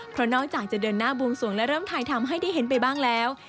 เพราะนอกจากจะเดินหน้าบวงสวงและเริ่มถ่ายทำให้ได้เห็นไปบ้างแล้ว